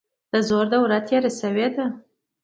د زور دوره تیره شوې ده.